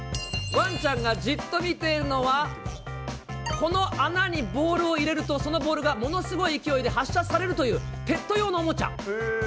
ワンちゃんがじっと見ているのは、この穴にボールを入れると、そのボールがものすごい勢いで発射されるというペット用のおもちゃ。